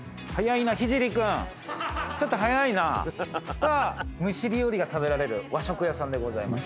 さあ蒸し料理が食べられる和食屋さんでございます。